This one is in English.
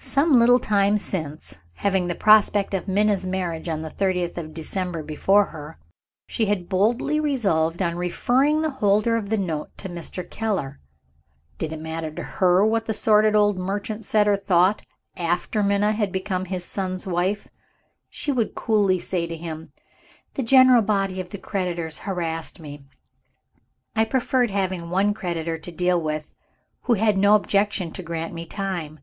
Some little time since, having the prospect of Minna's marriage on the thirtieth of December before her, she had boldly resolved on referring the holder of the note to Mr. Keller. Did it matter to her what the sordid old merchant said or thought, after Minna had become his son's wife? She would coolly say to him, "The general body of the creditors harassed me. I preferred having one creditor to deal with, who had no objection to grant me time.